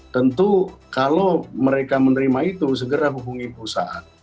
tentu kalau mereka menerima itu segera hubungi perusahaan